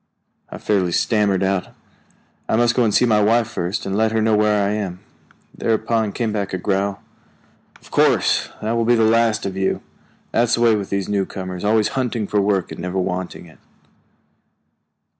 I fairly stammered out, "I must go and see my wife first, and let her know where I am." Thereupon came back a growl: "Of course, that will be the last of you! That's the way with these newcomers, always hunting for work and never wanting it."